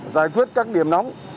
giải quyết các điểm nóng